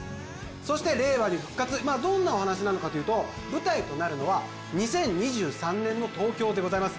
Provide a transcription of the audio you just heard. そして令和に復活まあどんなお話なのかというと舞台となるのは２０２３年の東京でございます